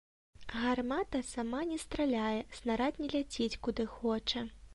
Гармата сама не страляе, снарад не ляціць куды хоча.